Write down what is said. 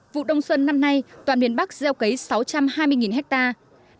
vụ đông xuân năm nay toàn miền bắc gieo cấy sáu trăm hai mươi hectare